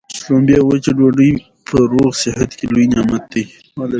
شلومبې او وچه ډوډۍ په روغ صحت کي لوی نعمت دی.